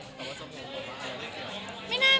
ธรรมธรรมโมคงไม่เกลียด